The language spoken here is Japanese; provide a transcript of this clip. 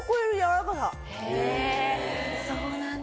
へぇそうなんだ。